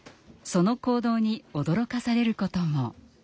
その行動に驚かされることも。